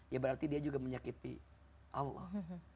ya berarti dia juga menyakiti allah